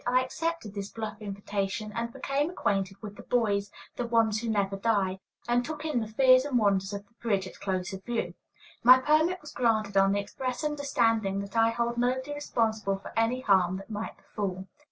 I accepted this bluff invitation and became acquainted with "the boys," the ones who "never die," and took in the fears and wonders of the bridge at closer view. My permit was granted on the express understanding that I hold nobody responsible for any harm that might befall.